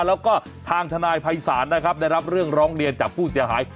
แล้วก็ทางทนายภัยศาลนะครับได้รับเรื่องร้องเรียนจากผู้เสียหาย